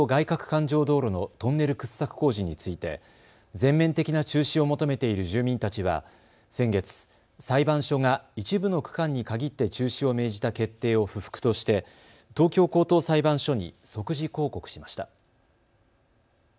かく環状道路のトンネル掘削工事について全面的な中止を求めている住民たちは先月、裁判所が一部の区間に限って中止を命じた決定を不服として東京高等裁判所に即時抗告しました。